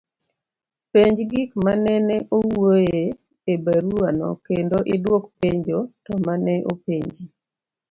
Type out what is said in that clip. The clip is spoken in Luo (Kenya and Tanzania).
penj gik manene owuoye e barua no kendo idwok penjo to mane openji